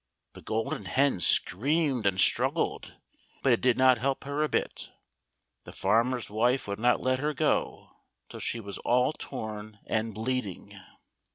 The Golden Hen screamed and strug gled, but it did not help her a bit ; the farmer's wife would not let her go till she was all torn and bleed ing.